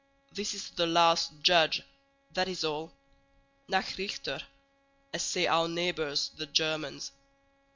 "This is the last judge; that is all. Nachrichter, as say our neighbors, the Germans."